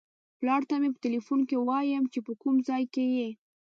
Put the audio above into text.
پلار ته مې په ټیلیفون کې وایم چې په کوم ځای کې یې.